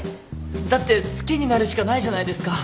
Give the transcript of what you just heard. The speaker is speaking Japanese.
だって好きになるしかないじゃないですか。